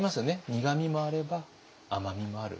苦みもあれば甘みもある。